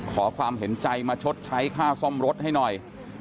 ขอความเห็นใจมาชดใช้ค่าซ่อมรถให้หน่อย